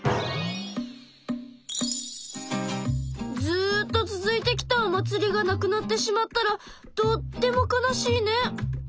ずっと続いてきたお祭りがなくなってしまったらとっても悲しいね。